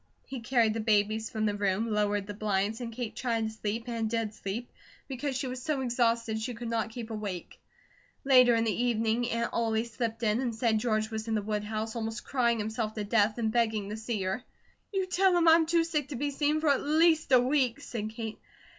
He carried the babies from the room, lowered the blinds, and Kate tried to sleep, and did sleep, because she was so exhausted she could not keep awake. Later in the evening Aunt Ollie slipped in, and said George was in the woodhouse, almost crying himself to death, and begging to see her. "You tell him I'm too sick to be seen for at least a week," said Kate.